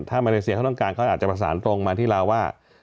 ถ้ามาเลเซียเขาต้องการเขาอาจจะประสานตรงมาที่ลาวว่า